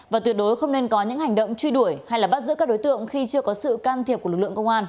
và tuyệt đối không nên có những hành động truy đuổi hay bắt giữ các đối tượng khi chưa có sự can thiệp của lực lượng công an